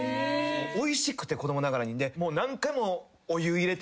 おいしくて子供ながらに。